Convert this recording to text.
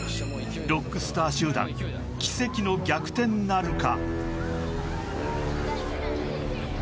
ロックスター集団奇跡の逆転なるか？